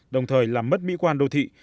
đồng thời làm mất mỹ quan đô thị